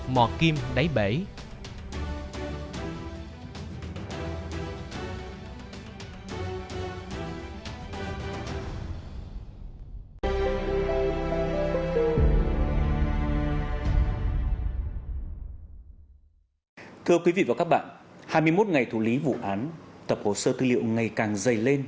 mò kim đáy bể